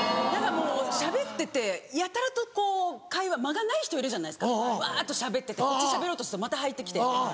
しゃべっててやたらとこう会話間がない人いるじゃないですかわっとしゃべっててこっちしゃべろうとするとまた入って来てみたいな。